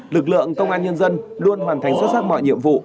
lực lượng công an nhân dân luôn hoàn thành xuất sắc mọi nhiệm vụ